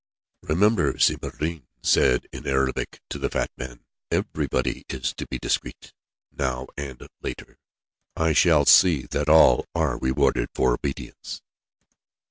"Remember," Si Maïeddine said in Arabic to the fat man, "everybody is to be discreet, now and later. I shall see that all are rewarded for obedience."